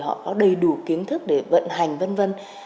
họ có đầy đủ kiến thức để vận hành vân vân